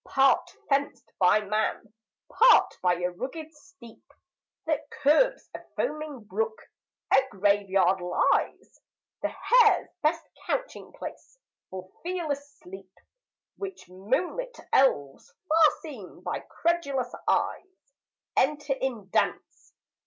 ] Part fenced by man, part by a rugged steep That curbs a foaming brook, a Grave yard lies; The hare's best couching place for fearless sleep; Which moonlit elves, far seen by credulous eyes, Enter in dance.